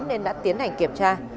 nên đã tiến hành kiểm tra